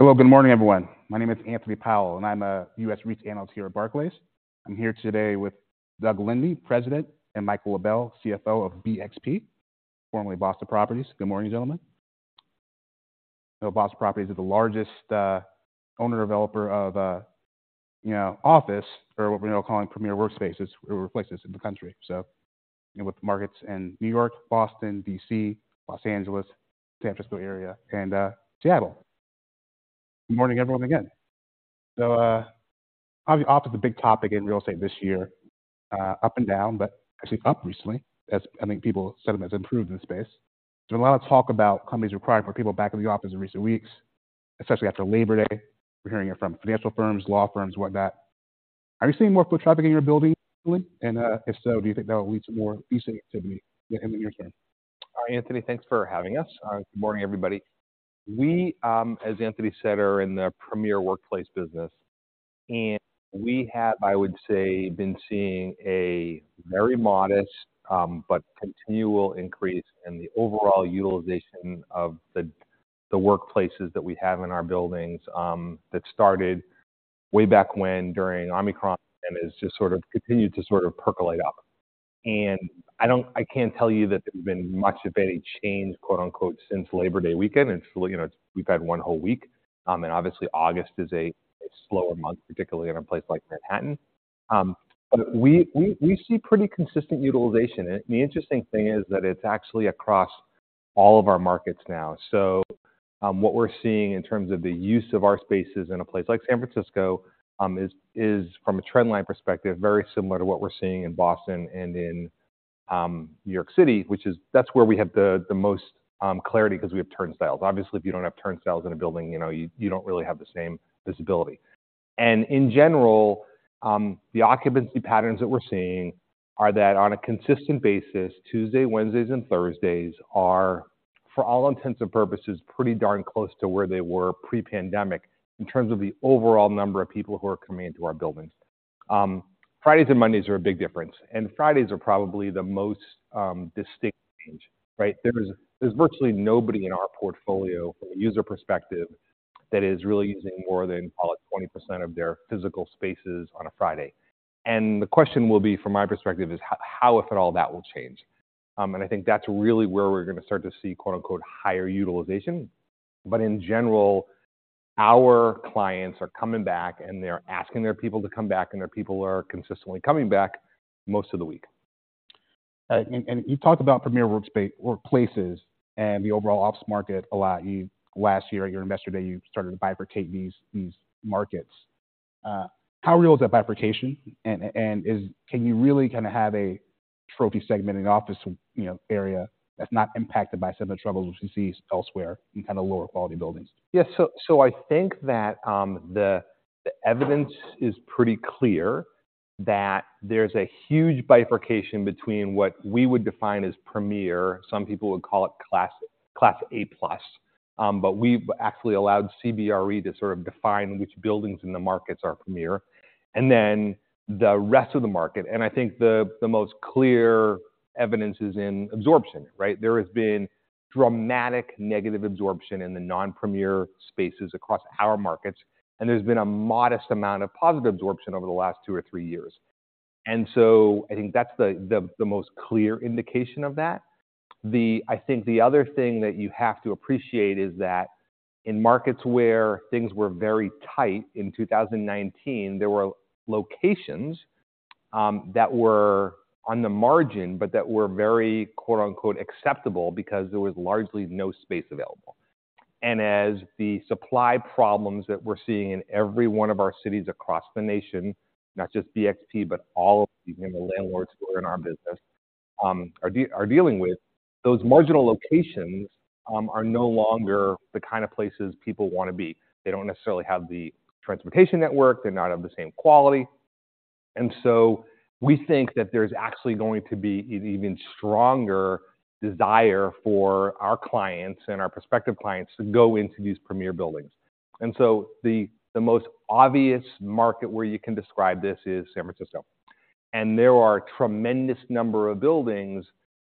Hello, good morning, everyone. My name is Anthony Powell, and I'm a US REITs analyst here at Barclays. I'm here today with Doug Linde, President, and Michael LaBelle, CFO of BXP, formerly Boston Properties. Good morning, gentlemen. So, Boston Properties is the largest, owner-developer of, you know, office or what we're now calling premier workspaces or workplaces in the country. So, you know, with markets in New York, Boston, DC, Los Angeles, San Francisco area, and Seattle. Good morning, everyone, again. So, obviously, office is a big topic in real estate this year, up and down, but actually up recently, as I think people sentiment has improved in the space. There's a lot of talk about companies requiring more people back in the office in recent weeks, especially after Labor Day. We're hearing it from financial firms, law firms, whatnot. Are you seeing more foot traffic in your building, Doug? And, if so, do you think that will lead to more leasing activity in the near term? Hi, Anthony. Thanks for having us. Good morning, everybody. We, as Anthony said, are in the premier workplace business, and we have, I would say, been seeing a very modest, but continual increase in the overall utilization of the workplaces that we have in our buildings, that started way back when during Omicron, and has just sort of continued to sort of percolate up. I can't tell you that there's been much, if any, change, quote, unquote, "since Labor Day weekend." It's, you know, we've had one whole week. And obviously August is a slower month, particularly in a place like Manhattan. But we see pretty consistent utilization. And the interesting thing is that it's actually across all of our markets now. So, what we're seeing in terms of the use of our spaces in a place like San Francisco is from a trend line perspective very similar to what we're seeing in Boston and in New York City, which is, that's where we have the most clarity because we have turnstiles. Obviously, if you don't have turnstiles in a building, you know, you don't really have the same visibility. And in general, the occupancy patterns that we're seeing are that on a consistent basis, Tuesdays, Wednesdays, and Thursdays are, for all intents and purposes, pretty darn close to where they were pre-pandemic in terms of the overall number of people who are coming into our buildings. Fridays and Mondays are a big difference, and Fridays are probably the most distinct change, right? There's virtually nobody in our portfolio from a user perspective that is really using more than call it 20% of their physical spaces on a Friday. And the question will be, from my perspective, is how if at all, that will change? And I think that's really where we're going to start to see, quote, unquote, "higher utilization." But in general, our clients are coming back, and they're asking their people to come back, and their people are consistently coming back most of the week. You've talked about premier workplaces and the overall office market a lot. Last year at your Investor Day, you started to bifurcate these markets. How real is that bifurcation? Can you really kind of have a trophy segment in an office, you know, area that's not impacted by some of the troubles we see elsewhere in kind of lower-quality buildings? Yes. So, so I think that the evidence is pretty clear that there's a huge bifurcation between what we would define as premier. Some people would call it classic, Class A plus, but we've actually allowed CBRE to sort of define which buildings in the markets are premier, and then the rest of the market, and I think the most clear evidence is in absorption, right? There has been dramatic negative absorption in the non-premier spaces across our markets, and there's been a modest amount of positive absorption over the last two or three years. And so I think that's the most clear indication of that. I think the other thing that you have to appreciate is that in markets where things were very tight in 2019, there were locations that were on the margin, but that were very, quote, unquote, “acceptable,” because there was largely no space available. And as the supply problems that we're seeing in every one of our cities across the nation, not just BXP, but all of the landlords who are in our business, are dealing with, those marginal locations are no longer the kind of places people want to be. They don't necessarily have the transportation network. They're not of the same quality. And so we think that there's actually going to be an even stronger desire for our clients and our prospective clients to go into these premier buildings. The most obvious market where you can describe this is San Francisco. There are a tremendous number of buildings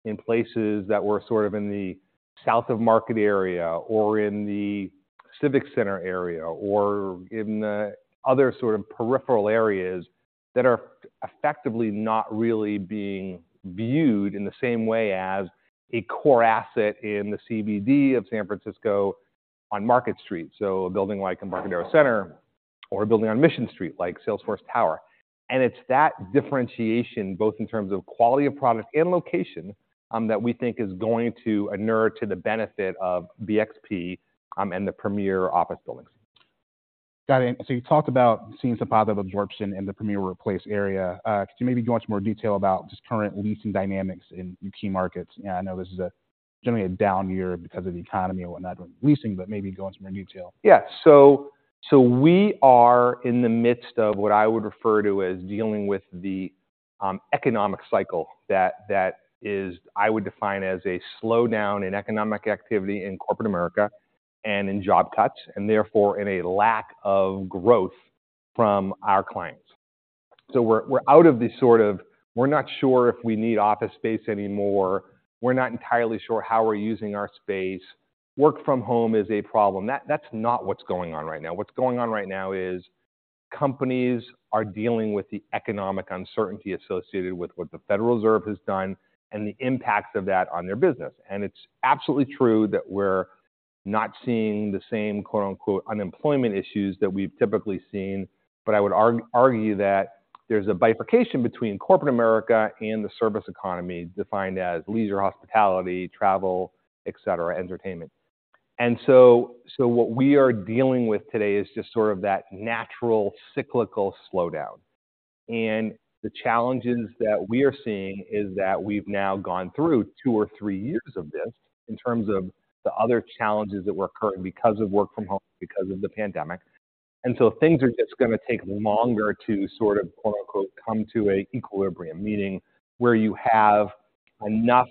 in places that were sort of in the South of Market area or in the Civic Center area, or in the other sort of peripheral areas that are effectively not really being viewed in the same way as a core asset in the CBD of San Francisco on Market Street. A building like Embarcadero Center or a building on Mission Street, like Salesforce Tower. It's that differentiation, both in terms of quality of product and location, that we think is going to inure to the benefit of BXP, and the premier office buildings. Got it. So you talked about seeing some positive absorption in the premier workplace area. Could you maybe go into more detail about just current leasing dynamics in key markets? I know this is generally a down year because of the economy and whatnot with leasing, but maybe go into more detail. Yeah. So, so we are in the midst of what I would refer to as dealing with the economic cycle that that is, I would define as a slowdown in economic activity in corporate America and in job cuts, and therefore in a lack of growth from our clients.... So we're, we're out of the sort of, we're not sure if we need office space anymore. We're not entirely sure how we're using our space. Work from home is a problem. That, that's not what's going on right now. What's going on right now is companies are dealing with the economic uncertainty associated with what the Federal Reserve has done and the impact of that on their business. And it's absolutely true that we're not seeing the same, quote, unquote, "unemployment issues" that we've typically seen. But I would argue that there's a bifurcation between corporate America and the service economy, defined as leisure, hospitality, travel, et cetera, entertainment. And so, so what we are dealing with today is just sort of that natural cyclical slowdown. And the challenges that we are seeing is that we've now gone through two or three years of this in terms of the other challenges that were occurring because of work from home, because of the pandemic. And so things are just gonna take longer to sort of, quote, unquote, "come to a equilibrium," meaning where you have enough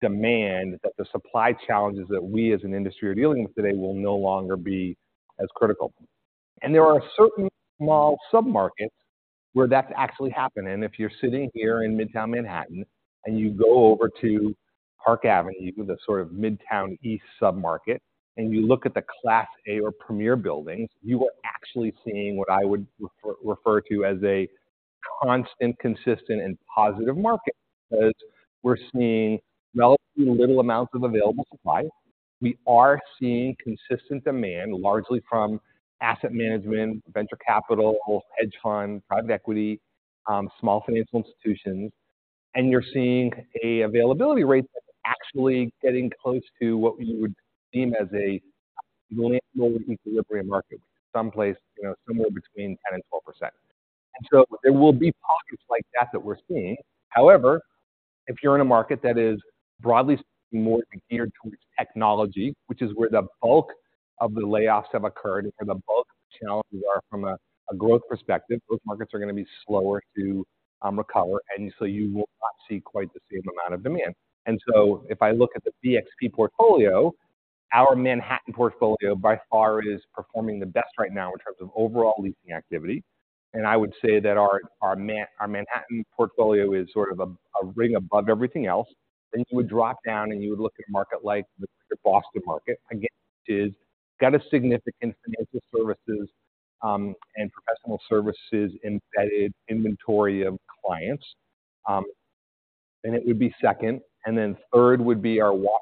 demand that the supply challenges that we as an industry are dealing with today will no longer be as critical. And there are certain small submarkets where that's actually happening. If you're sitting here in Midtown Manhattan, and you go over to Park Avenue, the sort of Midtown East submarket, and you look at the Class A or Premier buildings, you are actually seeing what I would refer to as a constant, consistent, and positive market. Because we're seeing relatively little amounts of available supply. We are seeing consistent demand, largely from asset management, venture capital, hedge fund, private equity, small financial institutions. And you're seeing an availability rate that's actually getting close to what we would deem as a millennial equilibrium market, someplace, you know, somewhere between 10% to 12%. And so there will be pockets like that, that we're seeing. However, if you're in a market that is broadly more geared towards technology, which is where the bulk of the layoffs have occurred, and where the bulk of the challenges are from a growth perspective, those markets are gonna be slower to recover, and so you will not see quite the same amount of demand. And so if I look at the BXP portfolio, our Manhattan portfolio, by far, is performing the best right now in terms of overall leasing activity. And I would say that our Manhattan portfolio is sort of a ring above everything else. Then you would drop down, and you would look at a market like the Boston market. Again, it's got a significant financial services and professional services embedded inventory of clients, and it would be second, and then third would be our Washington,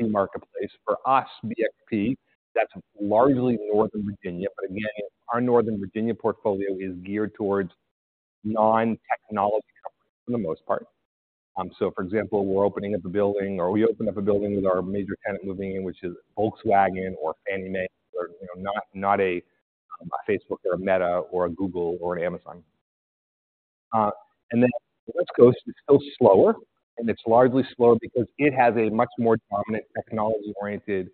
DC marketplace. For us, BXP, that's largely Northern Virginia, but again, our Northern Virginia portfolio is geared towards non-technology companies for the most part. So for example, we're opening up a building, or we opened up a building with our major tenant moving in, which is Volkswagen or Fannie Mae, or, you know, not a Facebook or a Meta or a Google or an Amazon. And then the West Coast is still slower, and it's largely slow because it has a much more dominant technology-oriented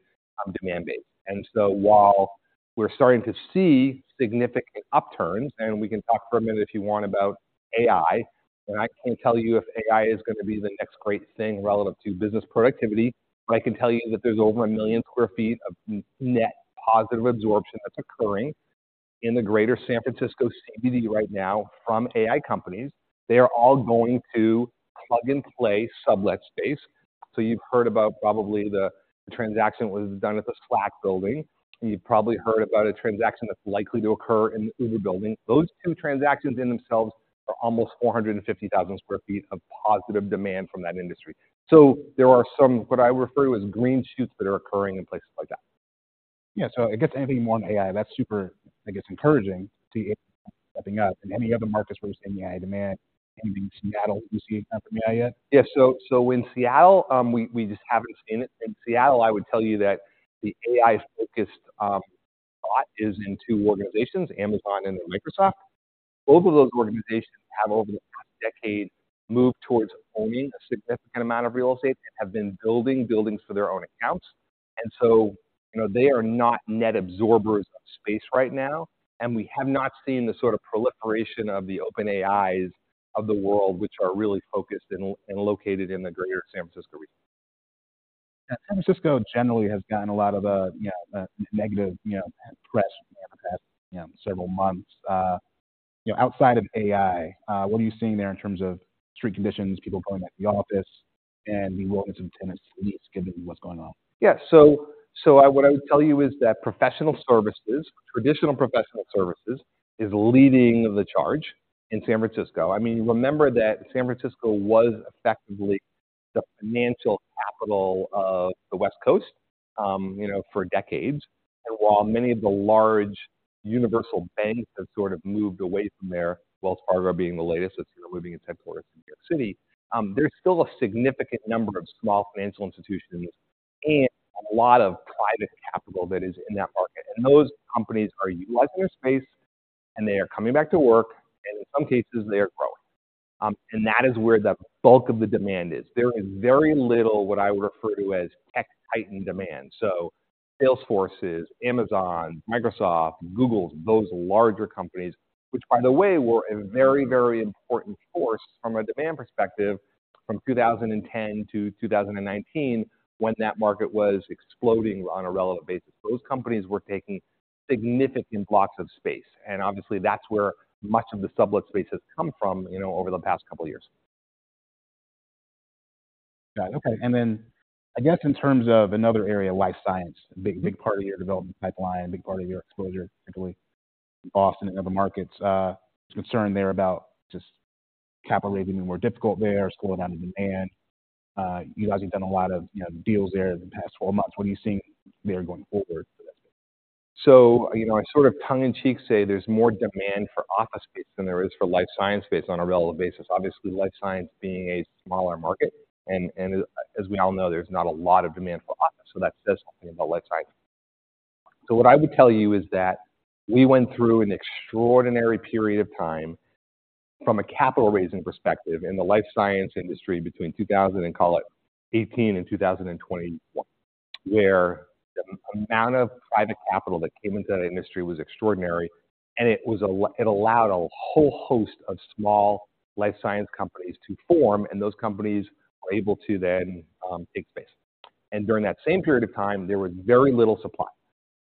demand base. And so while we're starting to see significant upturns, and we can talk for a minute if you want about AI, and I can't tell you if AI is gonna be the next great thing relevant to business productivity. But I can tell you that there's over 1 million sq ft of net positive absorption that's occurring in the Greater San Francisco CBD right now from AI companies. They are all going to plug-and-play sublet space. So you've heard about probably the transaction that was done at the Slack building. You've probably heard about a transaction that's likely to occur in the Uber building. Those two transactions in themselves are almost 450,000 sq ft of positive demand from that industry. So there are some, what I refer to as green shoots, that are occurring in places like that. Yeah, so I guess anything more on AI? That's super, I guess, encouraging to see AI stepping up. In any other markets where you're seeing AI demand, maybe Seattle? You seeing time from AI yet? Yeah, so in Seattle, we just haven't seen it. In Seattle, I would tell you that the AI's focused a lot is in two organizations, Amazon and in Microsoft. Both of those organizations have, over the past decade, moved towards owning a significant amount of real estate and have been building buildings for their own accounts. And so, you know, they are not net absorbers of space right now, and we have not seen the sort of proliferation of the OpenAIs of the world, which are really focused and located in the Greater San Francisco region. San Francisco generally has gotten a lot of, you know, negative, you know, press in the past, you know, several months. You know, outside of AI, what are you seeing there in terms of street conditions, people going back to the office and the movements in tenancy? Just give me what's going on. Yeah. So what I would tell you is that professional services, traditional professional services, is leading the charge in San Francisco. I mean, remember that San Francisco was effectively the financial capital of the West Coast, you know, for decades. And while many of the large universal banks have sort of moved away from there, Wells Fargo being the latest, it's, you know, moving its headquarters to New York City, there's still a significant number of small financial institutions and a lot of private capital that is in that market. And those companies are utilizing their space, and they are coming back to work, and in some cases, they are growing. And that is where the bulk of the demand is. There is very little what I would refer to as tech titan demand. So, Salesforces, Amazons, Microsoft, Googles, those larger companies, which, by the way, were a very, very important force from a demand perspective, from 2010 to 2019, when that market was exploding on a relative basis. Those companies were taking significant blocks of space, and obviously, that's where much of the sublet space has come from, you know, over the past couple of years. Got it. Okay, and then I guess in terms of another area, life science, big, big part of your development pipeline, big part of your exposure, particularly in Boston and other markets. Concern there about just capital raising and more difficult there, slowing down demand. You guys have done a lot of, you know, deals there in the past four months. What are you seeing there going forward for this? So, you know, I sort of tongue in cheek say there's more demand for office space than there is for life science space on a relative basis. Obviously, life science being a smaller market, and as we all know, there's not a lot of demand for office, so that says something about life science. So what I would tell you is that we went through an extraordinary period of time from a capital raising perspective in the life science industry between 2018 and 2021, where the amount of private capital that came into that industry was extraordinary, and it allowed a whole host of small life science companies to form, and those companies were able to then take space. And during that same period of time, there was very little supply.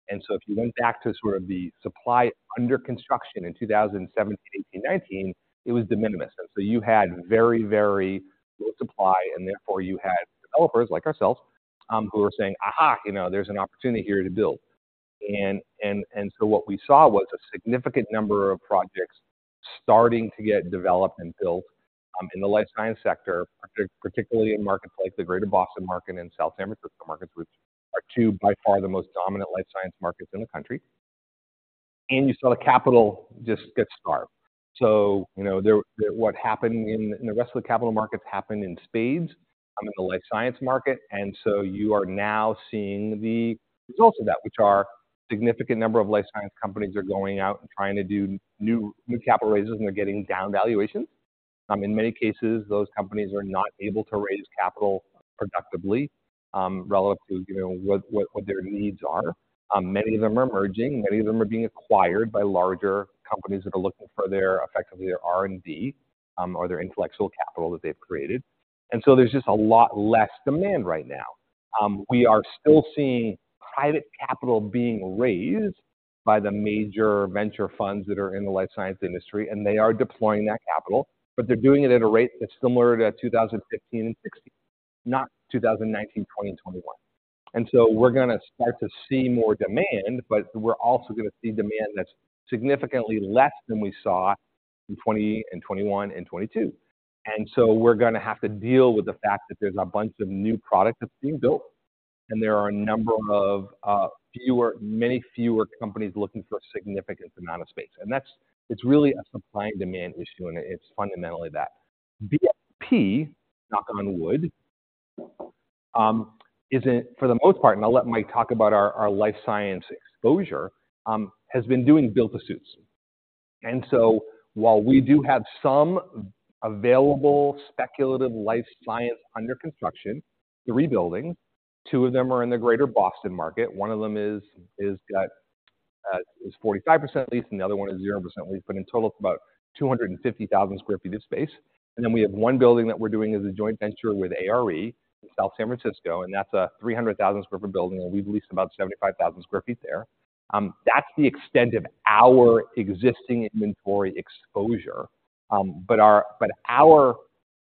If you went back to sort of the supply under construction in 2017, 2018, 2019, it was de minimis. So you had very, very little supply, and therefore you had developers like ourselves who were saying, "Aha, you know, there's an opportunity here to build." And so what we saw was a significant number of projects starting to get developed and built in the life science sector, particularly in markets like the greater Boston market and South San Francisco markets, which are two, by far, the most dominant life science markets in the country. And you saw the capital just get starved. So you know, what happened in the rest of the capital markets happened in spades in the life science market, and so you are now seeing the results of that, which are significant number of life science companies are going out and trying to do new capital raises, and they're getting down valuations. In many cases, those companies are not able to raise capital productively relative to, you know, what their needs are. Many of them are merging, many of them are being acquired by larger companies that are looking for their effectively, their R&D or their intellectual capital that they've created. And so there's just a lot less demand right now. We are still seeing private capital being raised by the major venture funds that are in the life science industry, and they are deploying that capital, but they're doing it at a rate that's similar to 2015 and 2016, not 2019, 2020, and 2021. And so we're gonna start to see more demand, but we're also gonna see demand that's significantly less than we saw in 2020 and 2021 and 2022. And so we're gonna have to deal with the fact that there's a bunch of new product that's being built, and there are a number of, fewer, many fewer companies looking for a significant amount of space. And that's- it's really a supply and demand issue, and it's fundamentally that. BXP, knock on wood, isn't for the most part, and I'll let Mike talk about our life science exposure, has been doing build-to-suits. So while we do have some available speculative life science under construction, three buildings, two of them are in the greater Boston market. One of them is 45% leased, and the other one is 0% leased, but in total, it's about 250,000 sq ft of space. Then we have one building that we're doing as a joint venture with ARE in South San Francisco, and that's a 300,000 sq ft building, and we've leased about 75,000 sq ft there. That's the extent of our existing inventory exposure. But our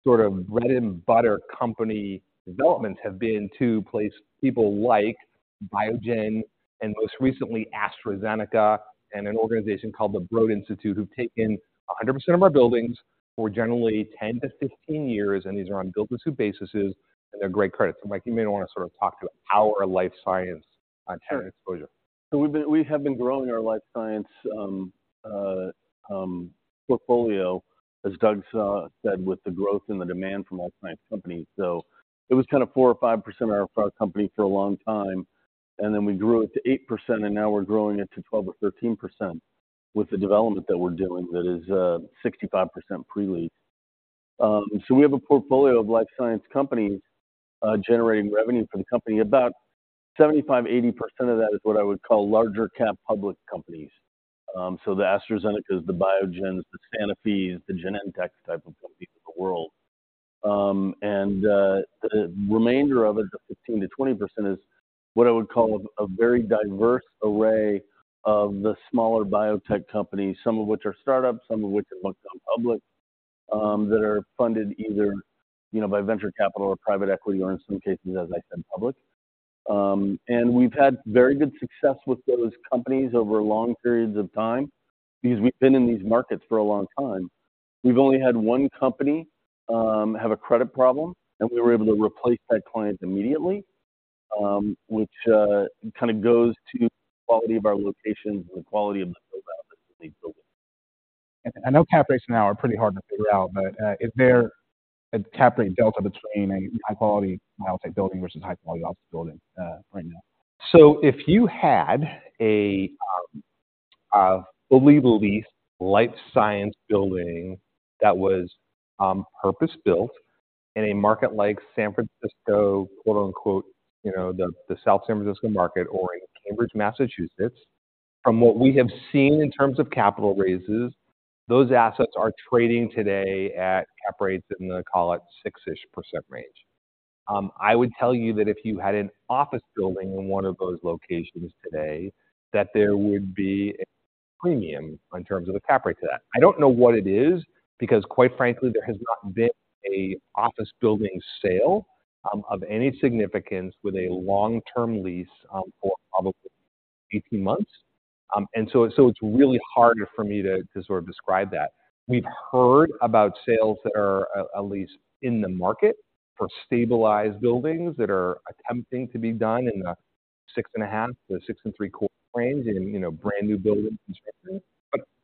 sort of bread-and-butter company developments have been to place people like Biogen and most recently AstraZeneca, and an organization called The Broad Institute, who've taken 100% of our buildings for generally 10 to 15 years, and these are on build-to-suit bases, and they're great credits. So Mike, you may want to sort of talk to our life science on tenant exposure. So, we've been growing our life science portfolio, as Doug said, with the growth and the demand from life science companies. So, it was kind of 4% or 5% of our company for a long time, and then we grew it to 8%, and now we're growing it to 12% or 13% with the development that we're doing, that is, 65% pre-lease. So, we have a portfolio of life science companies generating revenue for the company. About 75% to 80% of that is what I would call larger cap public companies. So, the AstraZenecas, the Biogens, the Sanofis, the Genentech type of companies in the world. and, the remainder of it, the 15% to 20% is what I would call a, a very diverse array of the smaller biotech companies, some of which are startups, some of which have gone public, that are funded either, you know, by venture capital or private equity, or in some cases, as I said, public. and we've had very good success with those companies over long periods of time because we've been in these markets for a long time. We've only had one company, have a credit problem, and we were able to replace that client immediately, which, kind of goes to the quality of our locations and the quality of the buildings. I know cap rates now are pretty hard to figure out, but, is there a cap rate delta between a high-quality biotech building versus a high-quality office building, right now? So, if you had a fully leased life science building that was purpose-built in a market like San Francisco, quote-unquote, you know, the South San Francisco market or in Cambridge, Massachusetts. From what we have seen in terms of capital raises, those assets are trading today at cap rates in the call it 6%-ish range. I would tell you that if you had an office building in one of those locations today, that there would be a premium in terms of the cap rate to that. I don't know what it is, because quite frankly, there has not been a office building sale of any significance with a long-term lease for probably 18 months. And so it's really hard for me to sort of describe that. We've heard about sales that are, at least in the market for stabilized buildings that are attempting to be done in the 6.5 to 6.75 range, in, you know, brand-new building construction,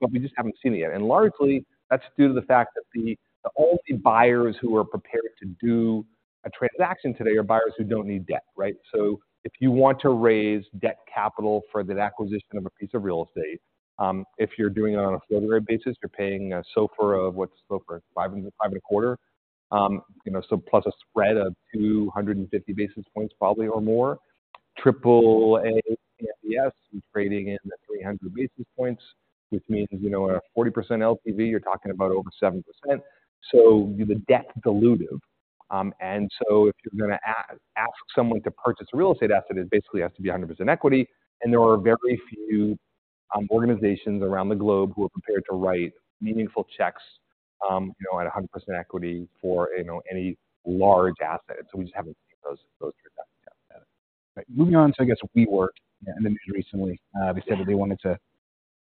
but we just haven't seen it yet. Largely, that's due to the fact that the only buyers who are prepared to do a transaction today are buyers who don't need debt, right? So, if you want to raise debt capital for that acquisition of a piece of real estate, if you're doing it on a floating rate basis, you're paying a SOFR of, what's SOFR? 5 to 5.25. You know, so plus a spread of 250 basis points, probably, or more. Triple-A CMBS is trading in at 300 basis points, which means, you know, a 40% LTV, you're talking about over 7%, so you're the debt dilutive. And so if you're going to ask someone to purchase a real estate asset, it basically has to be 100% equity, and there are very few organizations around the globe who are prepared to write meaningful checks, you know, at 100% equity for, you know, any large asset. So we just haven't seen those yet. Moving on to, I guess, WeWork. And then recently, they said that they wanted to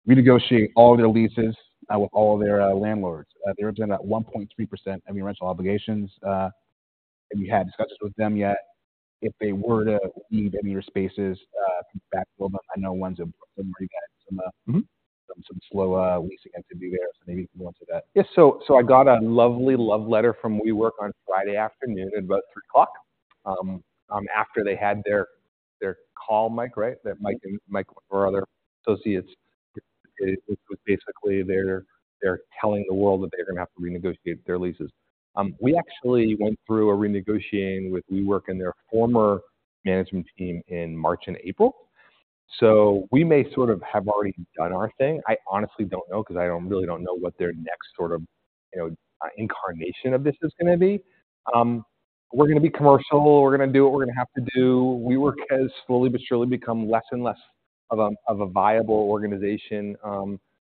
renegotiate all their leases with all their landlords. They're doing about 1.3% of your rental obligations. Have you had discussions with them yet, if they were to leave any of your spaces, back a little bit? I know one's in Brooklyn, some... Mm-hmm. Some slow leasing activity there, so maybe you can go into that. Yes, so I got a lovely love letter from WeWork on Friday afternoon, at about 3:00 P.M., after they had their call, Mike, right? Mm-hmm. That Mike and, Mike or other associates. It was basically they're telling the world that they're going to have to renegotiate their leases. We actually went through a renegotiating with WeWork and their former management team in March and April, so we may sort of have already done our thing. I honestly don't know, because I don't really don't know what their next sort of, you know, incarnation of this is going to be. We're going to be commercial. We're going to do what we're going to have to do. WeWork has slowly but surely become less and less of a viable organization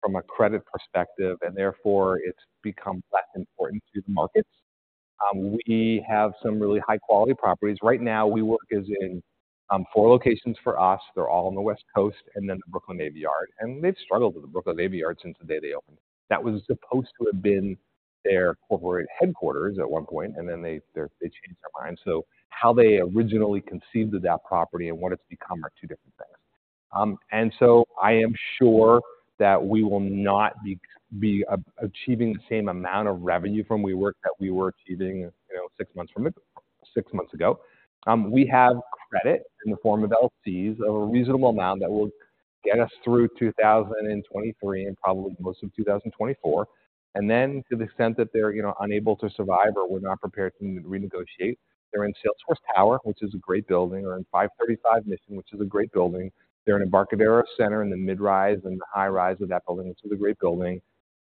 from a credit perspective, and therefore it's become less important to the markets. We have some really high-quality properties. Right now, WeWork is in four locations for us. They're all on the West Coast, and then the Brooklyn Navy Yard, and they've struggled with the Brooklyn Navy Yard since the day they opened. That was supposed to have been their corporate headquarters at one point, and then they changed their mind. So how they originally conceived of that property and what it's become are two different things. And so I am sure that we will not be achieving the same amount of revenue from WeWork that we were achieving, you know, six months ago. We have credit in the form of LCs of a reasonable amount that will get us through 2023, and probably most of 2024. And then to the extent that they're, you know, unable to survive, or we're not prepared to renegotiate, they're in Salesforce Tower, which is a great building, or in 535 Mission, which is a great building. They're in Embarcadero Center, in the mid-rise and the high-rise of that building, which is a great building.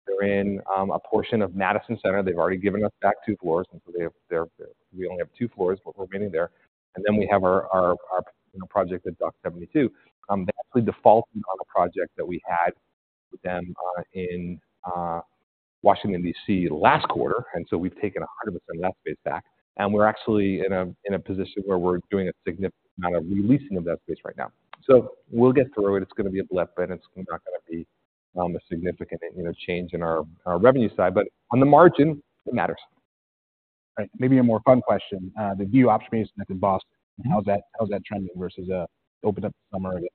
They're in a portion of Madison Centre. They've already given us back two floors, and so they have-- they're, we only have two floors, but we're getting there. And then we have our, you know, project at Dock 72. They actually defaulted on a project that we had with them in Washington, DC, last quarter, and so we've taken 100% of that space back, and we're actually in a position where we're doing a significant amount of releasing of that space right now. We'll get through it. It's going to be a blip, but it's not going to be a significant, you know, change in our, our revenue side. But on the margin, it matters. Right. Maybe a more fun question. The View observation deck in Boston, how's that, how's that trending versus, opened up this summer and...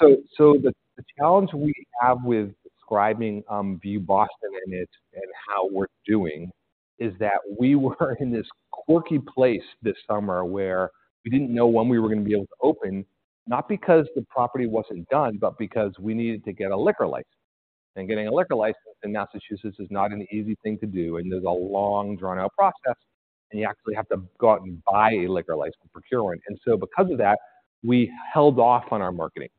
So, the challenge we have with describing View Boston and it, and how we're doing, is that we were in this quirky place this summer where we didn't know when we were going to be able to open, not because the property wasn't done, but because we needed to get a liquor license. And getting a liquor license in Massachusetts is not an easy thing to do, and there's a long, drawn-out process, and you actually have to go out and buy a liquor license to procure one. And so, because of that, we held off on our marketing.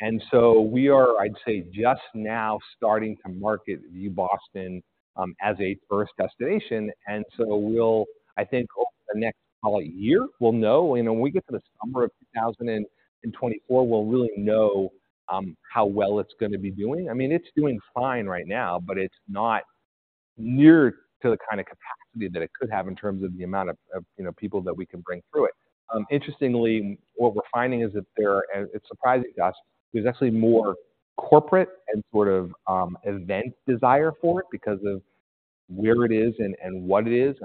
And so we are, I'd say, just now starting to market View Boston as a tourist destination, and so we'll, I think over the next, call it year, we'll know. You know, when we get to the summer of 2024, we'll really know how well it's going to be doing. I mean, it's doing fine right now, but it's not near to the kind of capacity that it could have in terms of the amount of, of, you know, people that we can bring through it. Interestingly, what we're finding is that there, and it's surprising to us, there's actually more corporate and sort of, event desire for it because of where it is and, and what it is.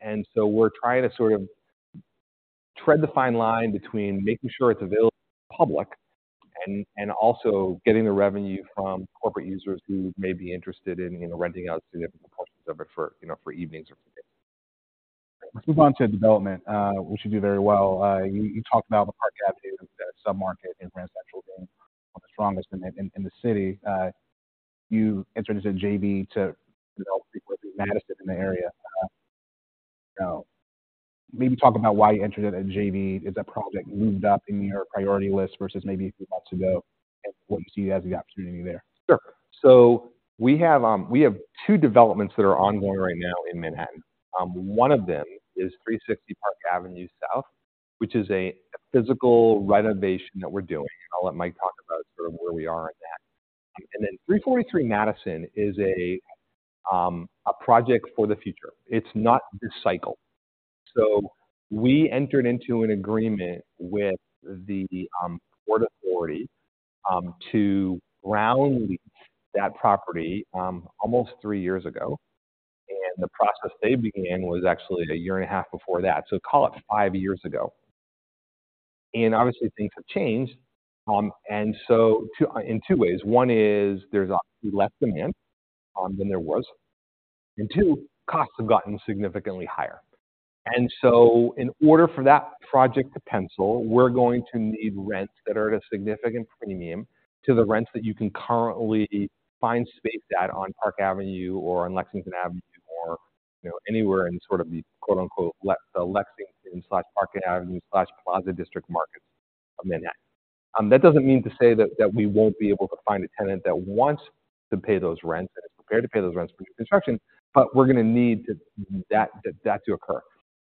And so we're trying to sort of tread the fine line between making sure it's available to the public and, and also getting the revenue from corporate users who may be interested in, you know, renting out significant portions of it for, you know, for evenings or for days. Let's move on to development, which you do very well. You talked about the Park Avenue submarket in Grand Central being one of the strongest in the city. You entered into a JV to develop Madison in the area. Maybe talk about why you entered it as a JV. Is that project moved up in your priority list versus maybe a few months ago, and what you see as the opportunity there? Sure. So, we have two developments that are ongoing right now in Manhattan. One of them is 360 Park Avenue South, which is a physical renovation that we're doing. I'll let Mike talk about sort of where we are on that. And then 343 Madison is a project for the future. It's not this cycle. So, we entered into an agreement with the Port Authority to ground lease that property almost three years ago, and the process they began was actually 1.5 years before that. So, call it five years ago. And obviously, things have changed, and so in two ways. One is there's less demand than there was, and two, costs have gotten significantly higher. And so in order for that project to pencil, we're going to need rents that are at a significant premium to the rents that you can currently find space at on Park Avenue or on Lexington Avenue or, you know, anywhere in sort of the quote-unquote Lexington slash Park Avenue slash Plaza District market of Manhattan. That doesn't mean to say that we won't be able to find a tenant that wants to pay those rents and is prepared to pay those rents for new construction, but we're going to need that to occur.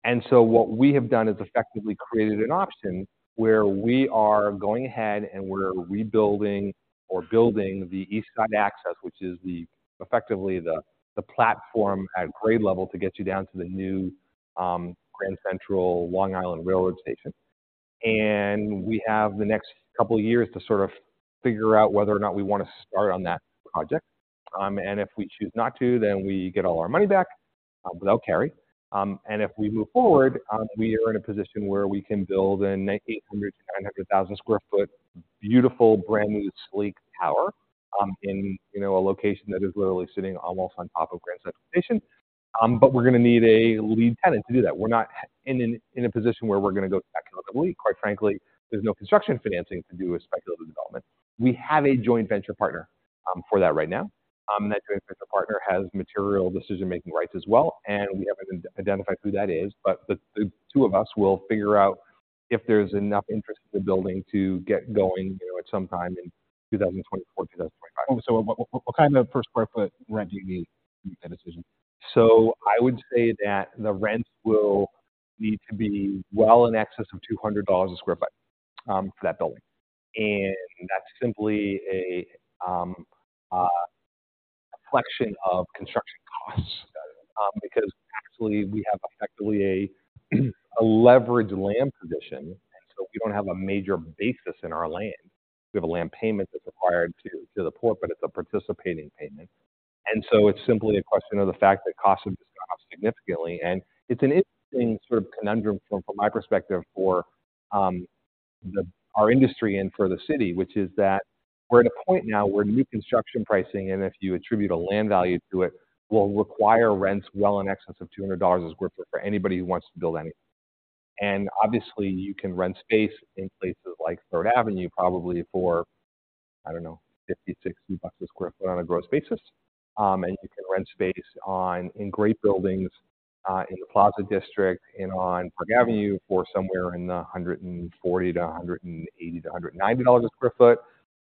And so what we have done is effectively created an option where we are going ahead, and we're rebuilding or building the East Side Access, which is effectively the platform at grade level to get you down to the new Grand Central Long Island Rail Road Station. We have the next couple of years to sort of figure out whether or not we want to start on that project. And if we choose not to, then we get all our money back, without carry. And if we move forward, we are in a position where we can build an 800,000 to 900,000 sq ft, beautiful, brand-new, sleek tower, in, you know, a location that is literally sitting almost on top of Grand Central Station. But we're going to need a lead tenant to do that. We're not in a position where we're going to go speculatively. Quite frankly, there's no construction financing to do a speculative development. We have a joint venture partner, for that right now. That joint venture partner has material decision-making rights as well, and we haven't identified who that is, but the two of us will figure out if there's enough interest in the building to get going, you know, at some time in 2024 to 2025. What kind of per sq ft rent do you need to make that decision? So I would say that the rents will need to be well in excess of $200 a sq ft for that building. And that's simply a reflection of construction costs because actually we have effectively a leveraged land position, and so we don't have a major basis in our land. We have a land payment that's required to the port, but it's a participating payment. And so it's simply a question of the fact that costs have just gone up significantly. And it's an interesting sort of conundrum from my perspective for our industry and for the city, which is that we're at a point now where new construction pricing, and if you attribute a land value to it, will require rents well in excess of $200 a sq ft for anybody who wants to build anything. Obviously, you can rent space in places like Third Avenue, probably for, I don't know, $50 to 60 a sq ft on a gross basis. You can rent space in great buildings in the Plaza District and on Park Avenue for somewhere in the $140 to 180 to 190 a sq ft.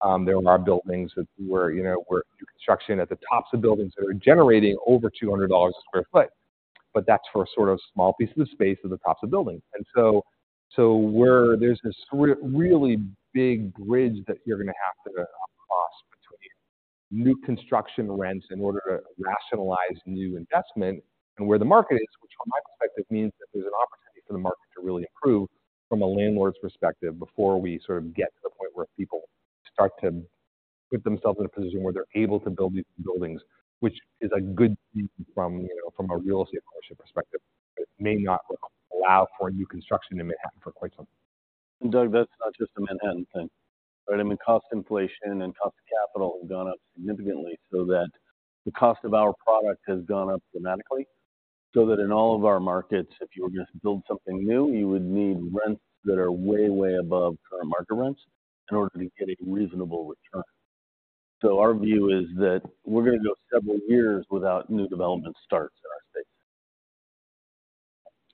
There are a lot of buildings, you know, where new construction at the tops of buildings that are generating over $200 a sq ft, but that's for a sort of small piece of the space at the tops of buildings. There's this really big bridge that you're going to have to cross between new construction rents in order to rationalize new investment and where the market is, which from my perspective, means that there's an opportunity for the market to really improve from a landlord's perspective before we sort of get to the point where people start to put themselves in a position where they're able to build these buildings, which is a good thing from, you know, from a real estate ownership perspective. It may not allow for new construction in Manhattan for quite some time. Doug, that's not just a Manhattan thing, right? I mean, cost inflation and cost of capital have gone up significantly so that the cost of our product has gone up dramatically, so that in all of our markets, if you were going to build something new, you would need rents that are way, way above current market rents in order to get a reasonable return. So, our view is that we're going to go several years without new development starts in our space.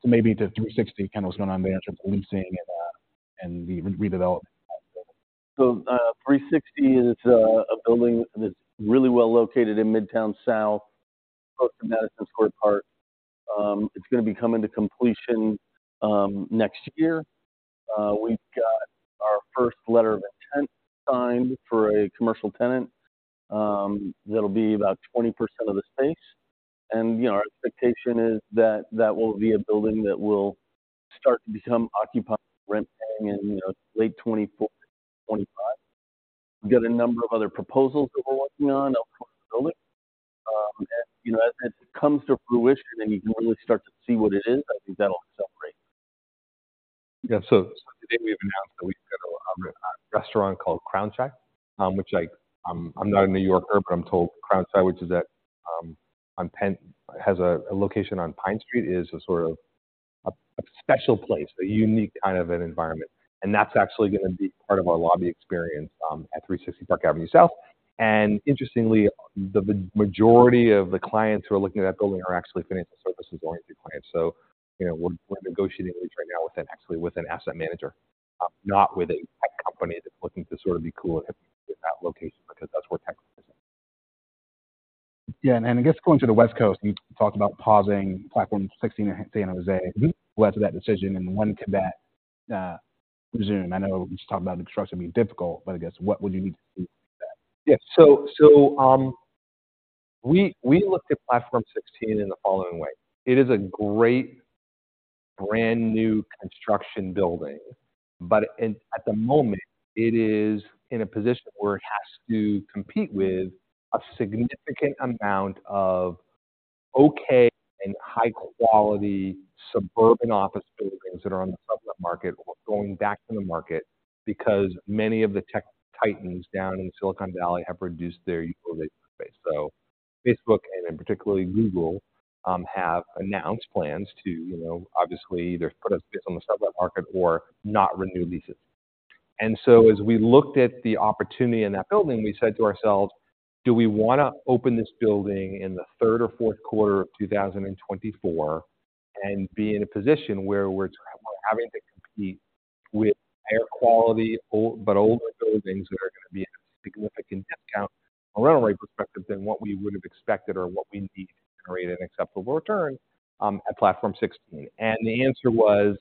So maybe to 360, kind of what's going on with the leasing and, and the redevelopment of that building. 360 is a building that's really well located in Midtown South, close to Madison Square Park. It's going to be coming to completion next year. We've got our first letter of intent signed for a commercial tenant that'll be about 20% of the space. And, you know, our expectation is that that will be a building that will start to become occupied, rent-paying in, you know, late 2024, 2025. We've got a number of other proposals that we're working on of course, building. And, you know, as it comes to fruition, and you can really start to see what it is, I think that'll accelerate. Yeah. So today we've announced that we've got a restaurant called Crown Shy, which I... I'm not a New Yorker, but I'm told Crown Shy, which is at, on Pen-- has a location on Pine Street, is a sort of a special place, a unique kind of an environment, and that's actually going to be part of our lobby experience at 360 Park Avenue South. And interestingly, the majority of the clients who are looking at that building are actually financial services-oriented clients. So you know, we're negotiating a lease right now with an, actually with an asset manager. Not with a tech company that's looking to sort of be cool and hip in that location, because that's where tech is. Yeah, and I guess going to the West Coast, you talked about pausing Platform 16 in San Jose. Mm-hmm. What led to that decision, and when could that resume? I know you just talked about construction being difficult, but I guess what would you need to do that? Yeah. So, we looked at Platform 16 in the following way: It is a great, brand-new construction building, but at the moment, it is in a position where it has to compete with a significant amount of okay and high-quality suburban office buildings that are on the sublet market or going back to the market, because many of the tech titans down in Silicon Valley have reduced their usable space. So Facebook, and then particularly Google, have announced plans to, you know, obviously either put us on the sublet market or not renew leases. And so as we looked at the opportunity in that building, we said to ourselves: Do we wanna open this building in the third or fourth quarter of 2024 and be in a position where we're having to compete with higher quality, but older buildings that are gonna be at a significant discount from a rental rate perspective than what we would have expected or what we need to generate an acceptable return at Platform 16? And the answer was,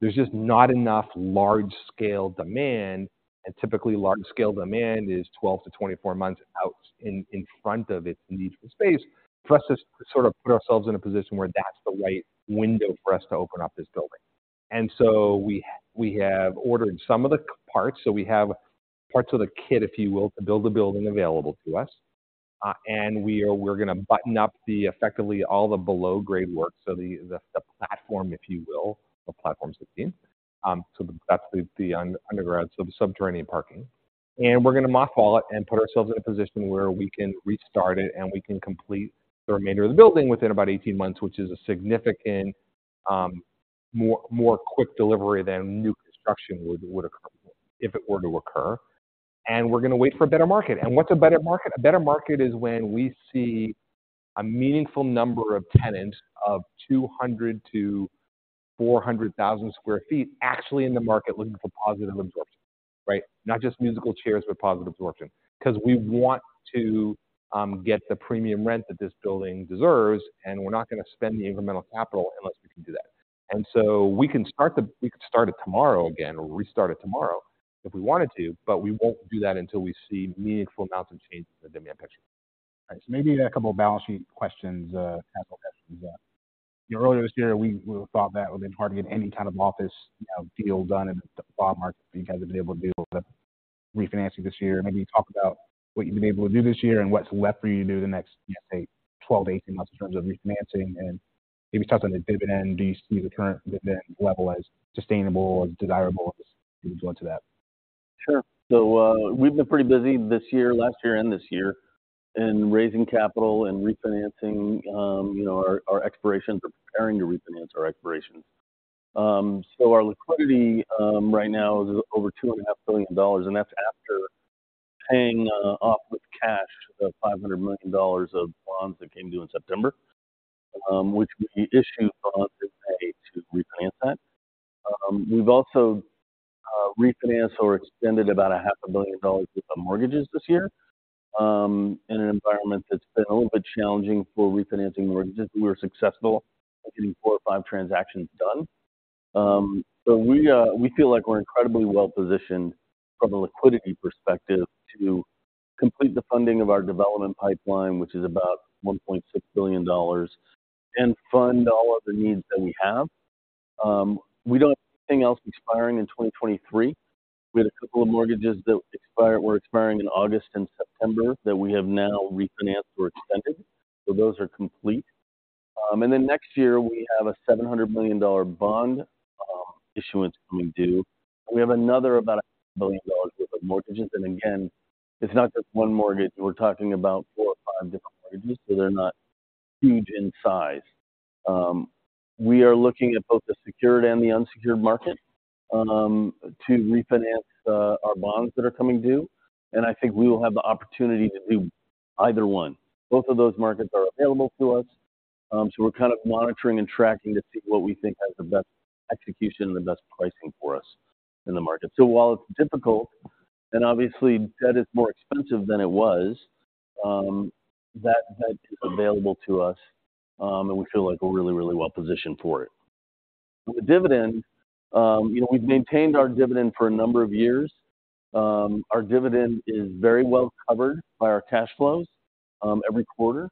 there's just not enough large-scale demand, and typically large-scale demand is 12 to 24 months out in front of its need for space, for us to sort of put ourselves in a position where that's the right window for us to open up this building. We have ordered some of the parts, so we have parts of the kit, if you will, to build the building available to us. We're gonna button up effectively all the below-grade work, so the platform, if you will, of Platform 16. So that's the underground, so the subterranean parking. We're gonna mothball it and put ourselves in a position where we can restart it, and we can complete the remainder of the building within about 18 months, which is a significant more quick delivery than new construction would occur, if it were to occur. We're gonna wait for a better market. What's a better market? A better market is when we see a meaningful number of tenants of 200,000 to 400,000 sq ft actually in the market looking for positive absorption, right? Not just musical chairs, but positive absorption. Cause we want to get the premium rent that this building deserves, and we're not gonna spend the incremental capital unless we can do that. And so, we can start we could start it tomorrow again, or restart it tomorrow, if we wanted to, but we won't do that until we see meaningful amounts of change in the demand picture. Right. So maybe a couple of balance sheet questions, capital questions. You know, earlier this year, we thought that it would be hard to get any kind of office, you know, deal done in the bond market, but you guys have been able to do a refinancing this year. Maybe talk about what you've been able to do this year and what's left for you to do the next, let's say, 12 to 18 months in terms of refinancing. And maybe touch on the dividend. Do you see the current dividend level as sustainable or desirable, as you go into that? Sure. So, we've been pretty busy this year, last year and this year, in raising capital and refinancing, you know, our, our expirations or preparing to refinance our expirations. So our liquidity, right now, is over $2.5 billion, and that's after paying, off with cash, the $500 million of bonds that came due in September, which we issued bonds in May to refinance that. We've also, refinanced or extended about $500 million worth of mortgages this year. In an environment that's been a little bit challenging for refinancing mortgages, we were successful in getting four or five transactions done. So we, we feel like we're incredibly well positioned from a liquidity perspective to complete the funding of our development pipeline, which is about $1.6 billion, and fund all of the needs that we have. We don't have anything else expiring in 2023. We had a couple of mortgages that expire, were expiring in August and September, that we have now refinanced or extended, so those are complete. And then next year, we have a $700 million bond issuance coming due. We have another about $1 billion worth of mortgages, and again, it's not just one mortgage, we're talking about four or five different mortgages, so they're not huge in size. We are looking at both the secured and the unsecured market to refinance our bonds that are coming due, and I think we will have the opportunity to do either one. Both of those markets are available to us, so we're kind of monitoring and tracking to see what we think has the best execution and the best pricing for us in the market. So, while it's difficult, and obviously debt is more expensive than it was, that debt is available to us, and we feel like we're really, really well positioned for it. The dividend, you know, we've maintained our dividend for a number of years. Our dividend is very well covered by our cash flows every quarter.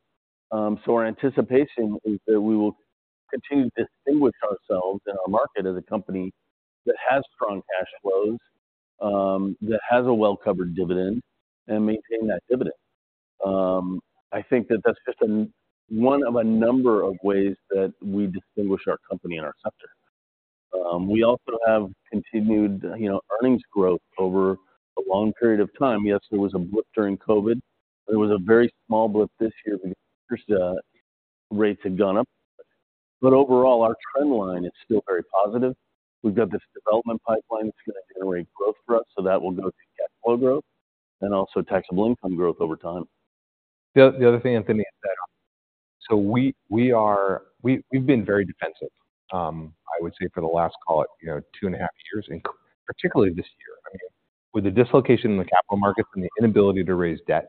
So our anticipation is that we will continue to distinguish ourselves in our market as a company that has strong cash flows, that has a well-covered dividend and maintain that dividend. I think that that's just one of a number of ways that we distinguish our company and our sector. We also have continued, you know, earnings growth over a long period of time. Yes, there was a blip during COVID. There was a very small blip this year because rates had gone up. But overall, our trend line is still very positive. We've got this development pipeline that's gonna generate growth for us, so that will go to cash flow growth and also taxable income growth over time. The other thing, Anthony... [inaudible] So, we've been very defensive, I would say for the last, call it, you know, two and a half years, and particularly this year. I mean, with the dislocation in the capital markets and the inability to raise debt,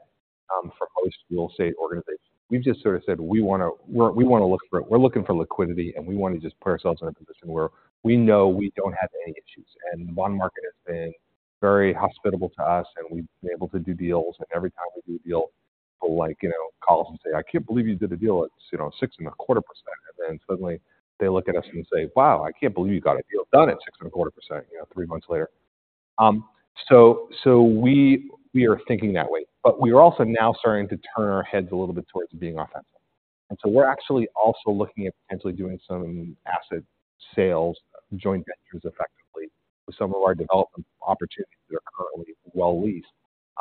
for most real estate organizations, we've just sort of said, we wanna, we want to look for-- we're looking for liquidity, and we want to just put ourselves in a position where we know we don't have any issues. One market has been very hospitable to us, and we've been able to do deals, and every time we do a deal, people like, you know, call us and say, "I can't believe you did a deal at, you know, 6.25%." And then suddenly they look at us and say, "Wow, I can't believe you got a deal done at 6.25%," you know, three months later. So, we are thinking that way, but we are also now starting to turn our heads a little bit towards being offensive. We're actually also looking at potentially doing some asset sales, joint ventures effectively, with some of our development opportunities that are currently well leased,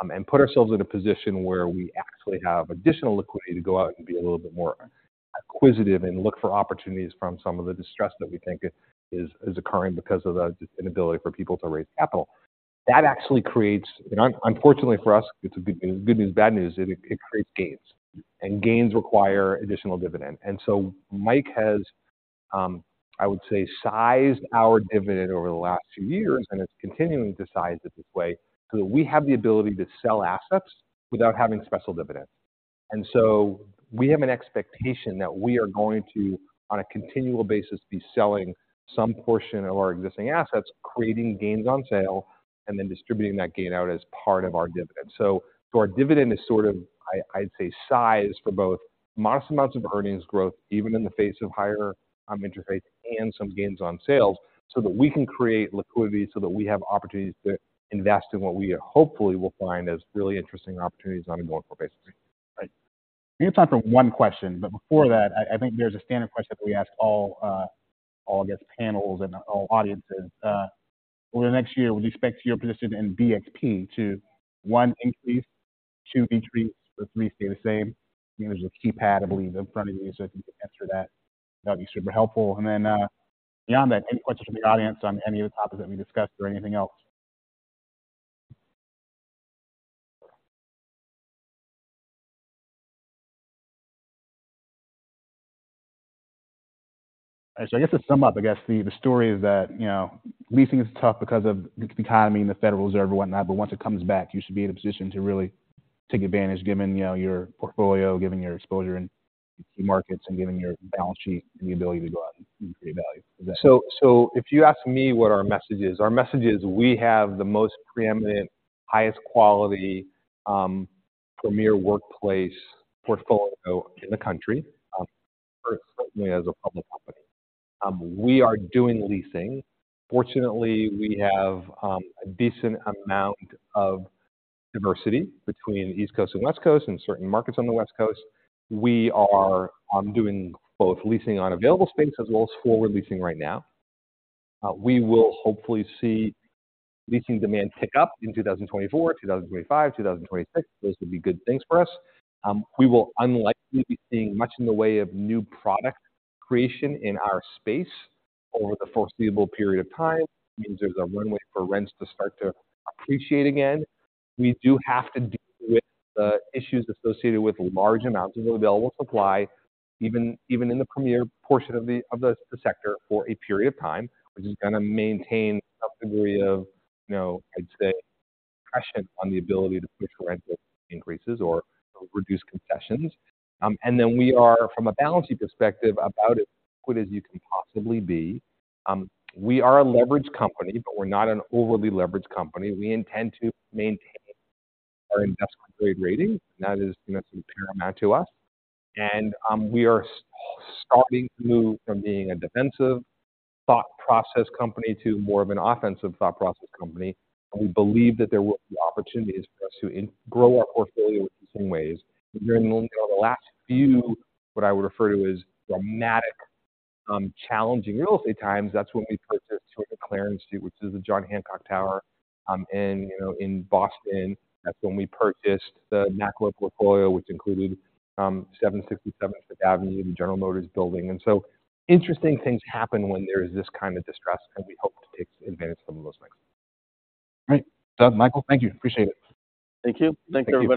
and put ourselves in a position where we actually have additional liquidity to go out and be a little bit more acquisitive and look for opportunities from some of the distress that we think is occurring because of the inability for people to raise capital. That actually creates... And unfortunately for us, it's a good news, good news, bad news, it creates gains, and gains require additional dividend. So Mike has, I would say, sized our dividend over the last two years, and it's continuing to size it this way, so that we have the ability to sell assets without having special dividend. We have an expectation that we are going to, on a continual basis, be selling some portion of our existing assets, creating gains on sale, and then distributing that gain out as part of our dividend. So, our dividend is sort of I'd say, sized for both modest amounts of earnings growth, even in the face of higher interest rates and some gains on sales, so that we can create liquidity, so that we have opportunities to invest in what we hopefully will find as really interesting opportunities on an ongoing basis. Right. We have time for one question, but before that, I, I think there's a standard question that we ask all, all guest panels and all audiences. Over the next year, with respect to your position in BXP, to one, increase, two, maintain, or three, stay the same. There's a keypad, I believe, in front of you, so if you can answer that, that'd be super helpful. And then, beyond that, any questions from the audience on any of the topics that we discussed or anything else? I guess to sum up, I guess the story is that, you know, leasing is tough because of the economy and the Federal Reserve and whatnot, but once it comes back, you should be in a position to really take advantage, given, you know, your portfolio, given your exposure in key markets, and given your balance sheet and the ability to go out and create value. If you ask me what our message is, our message is we have the most preeminent, highest quality, premier workplace portfolio in the country, certainly as a public company. We are doing leasing. Fortunately, we have a decent amount of diversity between East Coast and West Coast and certain markets on the West Coast. We are doing both leasing on available space as well as forward leasing right now. We will hopefully see leasing demand pick up in 2024, 2025, 2026. Those would be good things for us. We will unlikely be seeing much in the way of new product creation in our space over the foreseeable period of time, means there's a runway for rents to start to appreciate again. We do have to deal with the issues associated with large amounts of available supply, even in the premier portion of the sector for a period of time, which is gonna maintain a degree of, you know, I'd say, pressure on the ability to push rental increases or reduce concessions. And then we are, from a balance sheet perspective, about as liquid as you can possibly be. We are a leveraged company, but we're not an overly leveraged company. We intend to maintain our investment grade rating, and that is, you know, paramount to us. And we are starting to move from being a defensive thought process company to more of an offensive thought process company. We believe that there will be opportunities for us to grow our portfolio in the same ways. During the, you know, the last few, what I would refer to as dramatic, challenging real estate times, that's when we purchased 200 Clarendon Street, which is the John Hancock Tower, in, you know, in Boston. That's when we purchased the Macklowe portfolio, which included, 767 Fifth Avenue, the General Motors Building. And so interesting things happen when there is this kind of distress, and we hope to take advantage of some of those things. Great. So Michael, thank you. Appreciate it. Thank you. Thank you, everyone.